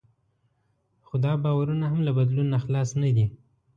خو دا باورونه هم له بدلون نه خلاص نه دي.